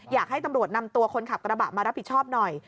อยากให้ตำรวจนำตัวคนขับกระบะมารับผิดชอบหน่อย